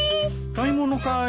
買い物かい？